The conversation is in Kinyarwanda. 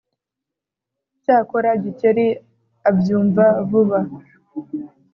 Cyakora Gikeli abyumva vuba,